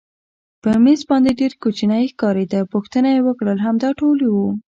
پر مېز باندې ډېر کوچنی ښکارېده، پوښتنه یې وکړل همدا ټول یو؟